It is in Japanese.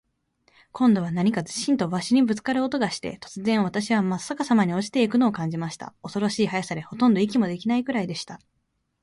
今度は何かズシンと鷲にぶっつかる音がして、突然、私はまっ逆さまに落ちて行くのを感じました。恐ろしい速さで、ほとんど息もできないくらいでした。